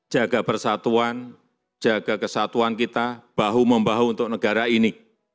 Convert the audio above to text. jaga persatuan jaga kesatuan kita bahu membahu untuk negara ini